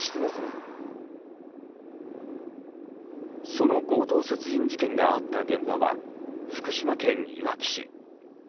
その強盗殺人事件があった現場は、福島県いわき市。